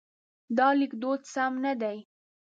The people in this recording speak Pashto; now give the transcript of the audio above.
دا لیکدود سم نه دی.